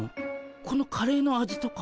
このカレーの味とか？